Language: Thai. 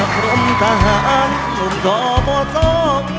พร้อมทหารมุ่งก่อโบสถ์